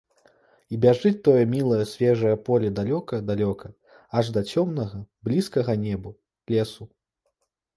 І бяжыць тое мілае свежае поле далёка, далёка, аж да цёмнага, блізкага неба, лесу.